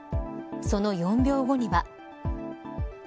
その４秒後には。